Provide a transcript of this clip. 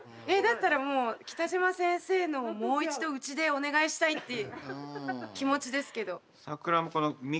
えだったらもう北島先生のをもう一度うちでお願いしたいって気持ちですけど。